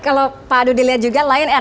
kalau pak dudi lihat juga lion air